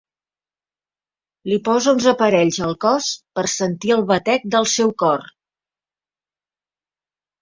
Li posa uns aparells al cos per sentir el batec del seu cor.